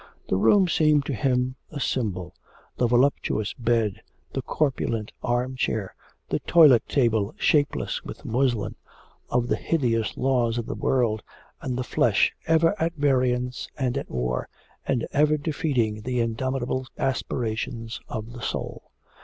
The room seemed to him a symbol the voluptuous bed, the corpulent arm chair, the toilet table shapeless with muslin of the hideous laws of the world and the flesh, ever at variance and at war, and ever defeating the indomitable aspirations of the soul.